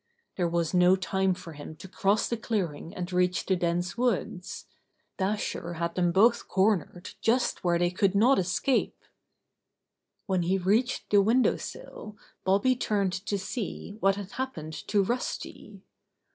There was no time for him to cross the clearing and reach the dense woods. Dasher had them both cornered just where they could not escape. When he reached the window sill Bobby turned to see what had happened to Rusty.